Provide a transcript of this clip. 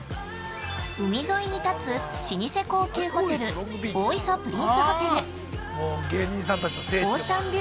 ◆海沿いに建つ老舗高級ホテル大磯プリンスホテル。